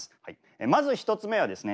まず１つ目はですね